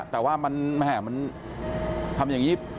แต่ว่ามันทำอย่างนี้